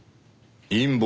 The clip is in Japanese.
陰謀？